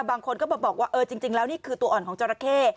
บางคนก็บอกว่าเออจริงแล้วนี่คือตัวอ่อนของจราเข้